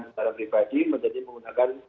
kendaraan pribadi menjadi menggunakan